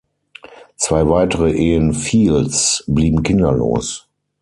Zwei weitere Ehen Fields blieben kinderlos.